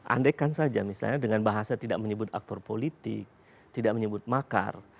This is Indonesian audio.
andaikan saja misalnya dengan bahasa tidak menyebut aktor politik tidak menyebut makar